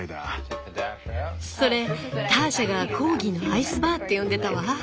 それターシャがコーギーのアイスバーって呼んでたわ。